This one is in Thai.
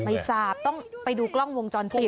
ไม่ทราบต้องไปดูกล้องวงจรปิด